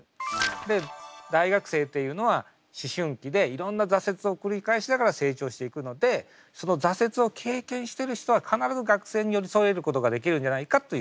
で大学生というのは思春期でいろんな挫折を繰り返しながら成長していくのでその挫折を経験してる人は必ず学生に寄り添えることができるんじゃないかという。